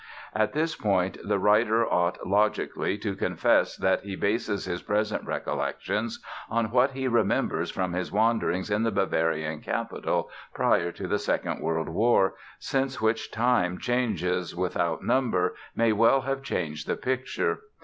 At this point the writer ought, logically, to confess that he bases his present recollections on what he remembers from his wanderings in the Bavarian capital prior to the Second World War, since which time changes without number may well have changed the picture.